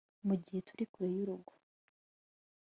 ni mugihe turi kure y'urugo